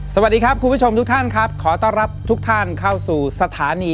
สวัสดีครับคุณผู้ชมทุกท่านครับขอต้อนรับทุกท่านเข้าสู่สถานี